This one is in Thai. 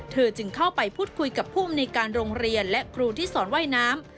จึงเข้าไปพูดคุยกับผู้อำนวยการโรงเรียนและครูที่สอนว่ายน้ำ